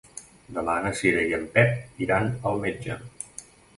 Demà na Cira i en Pep iran al metge.